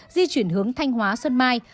di chuyển hướng thanh hóa xuân mai